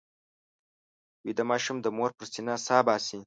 ویده ماشوم د مور پر سینه سا باسي